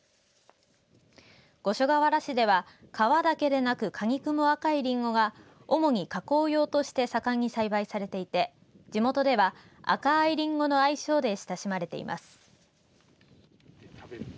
五所川原市では皮だけでなく果肉も赤いリンゴが主に加工用として盛んに栽培されていて地元では赤いりんごの愛称で親しまれています。